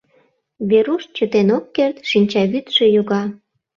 Веруш чытен ок керт, шинчавӱдшӧ йога.